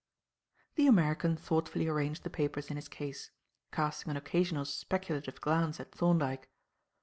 The American thoughtfully arranged the papers in his case, casting an occasional speculative glance at Thorndyke.